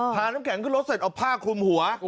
น้ำแข็งขึ้นรถเสร็จเอาผ้าคลุมหัว